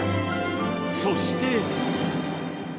そして。